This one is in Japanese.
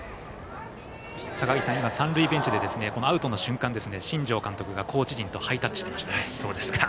高木さん、今三塁ベンチでアウトの瞬間に新庄監督がコーチ陣とハイタッチしていました。